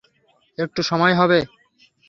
একটু সময় হবে?